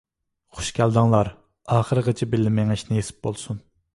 خۇش كەلدىڭلار، ئاخىرىغىچە بىللە مېڭىش نېسىپ بولسۇن.